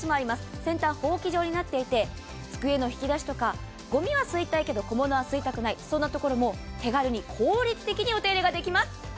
先端がほうき状になっていて、机の引き出しとかごみは吸いたいけど小物は吸いたくないところも手軽に効率的にお掃除ができます。